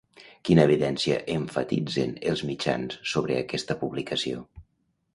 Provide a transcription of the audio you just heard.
Quina evidència emfatitzen els mitjans sobre aquesta publicació?